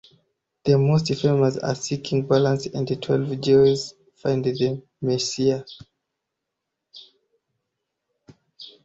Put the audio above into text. The most famous are "Seeking balance" and "Twelve Jews find the Messiah".